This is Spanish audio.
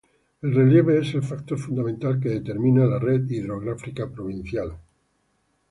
El relieve es el factor fundamental que determina la red hidrográfica provincial.